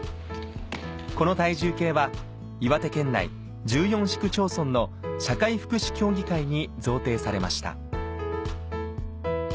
この体重計は岩手県内１４市区町村の社会福祉協議会に贈呈されました